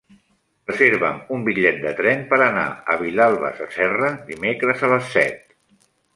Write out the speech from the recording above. Reserva'm un bitllet de tren per anar a Vilalba Sasserra dimecres a les set.